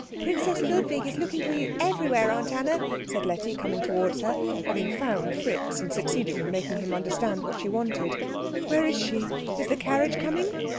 "Princess Ludwig is looking for you everywhere, Aunt Anna," said Letty, coming towards her, having found Fritz and succeeded in making him understand what she wanted. "Where is she? Is the carriage coming?"